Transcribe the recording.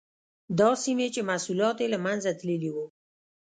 دا سیمې چې محصولات یې له منځه تللي وو.